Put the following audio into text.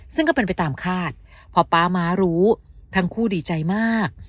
ซึ่งก็เป็นไปตามคาดพอป๊าม้ารู้ทั้งคู่ดีใจมาก